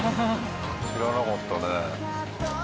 知らなかったね。